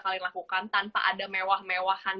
kali lakukan tanpa ada mewah mewahan